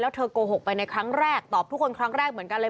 เธอโกหกไปในครั้งแรกตอบทุกคนครั้งแรกเหมือนกันเลย